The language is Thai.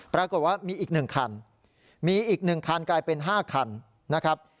ปรากฏว่ามีอีก๑คันมีอีก๑คันกลายเป็น๕คันนะครับ